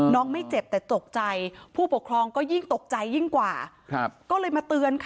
ไม่เจ็บแต่ตกใจผู้ปกครองก็ยิ่งตกใจยิ่งกว่าก็เลยมาเตือนค่ะ